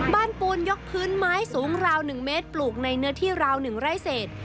ปูนยกพื้นไม้สูงราว๑เมตรปลูกในเนื้อที่ราว๑ไร่เศษ